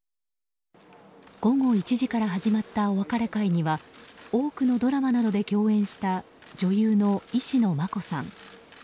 午後１時から始まったお別れ会には多くのドラマなどで共演した女優の石野真子さん